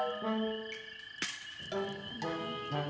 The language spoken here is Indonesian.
aku juga nggak tau